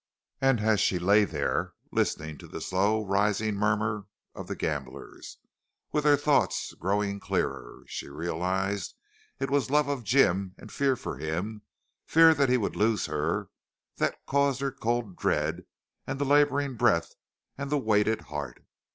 And as she lay there listening to the slow rising murmur of the gamblers, with her thought growing clearer, she realized it was love of Jim and fear for him fear that he would lose her that caused her cold dread and the laboring breath and the weighted heart.